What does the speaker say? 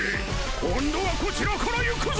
今度はこちらからゆくぞ！